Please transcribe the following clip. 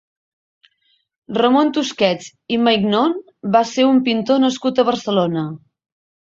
Ramon Tusquets i Maignon va ser un pintor nascut a Barcelona.